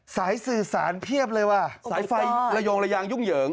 สายสื่อสารเพียบเลยว่ะสายไฟระยงระยางยุ่งเหยิง